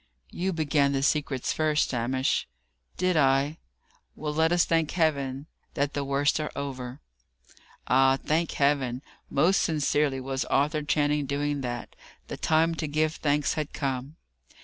"You began the secrets first, Hamish." "Did I? Well, let us thank Heaven that the worst are over." Ay, thank Heaven! Most sincerely was Arthur Channing doing that. The time to give thanks had come.